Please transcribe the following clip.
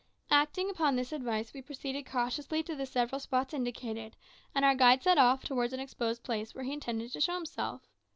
Acting upon this advice, we proceeded cautiously to the several spots indicated, and our guide set off towards an exposed place, where he intended to show himself.